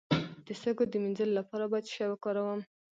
د سږو د مینځلو لپاره باید څه شی وکاروم؟